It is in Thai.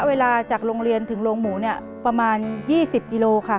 เปลี่ยนเพลงเพลงเก่งของคุณและข้ามผิดได้๑คำ